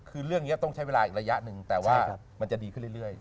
คือเรื่องนี้ต้องใช้เวลาอีกระยะหนึ่งแต่ว่ามันจะดีขึ้นเรื่อย